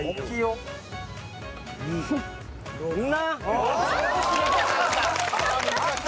うん。